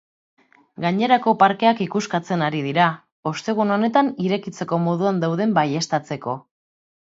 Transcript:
Gainerako parkeak ikuskatzen ari dira, ostegun honetan irekitzeko moduan dauden baieztatzeko.